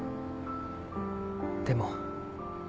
でも。